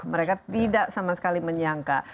mereka tidak sama sekali menyangka